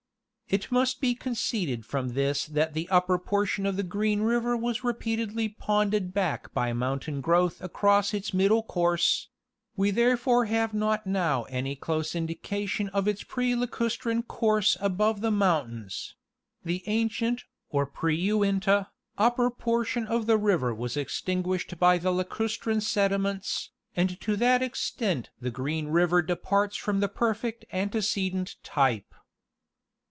It must be conceded from this that the upper por tion of Green river was repeatedly ponded back by mountain growth across its middle course ; we therefore have not now any close indication of its pre lacustrine course above the mountains ; the ancient, or pre Uinta, upper portion of the river was extin guished by the lacustrine sediments, and to that extent the Green river departs from the perfect antecedent type.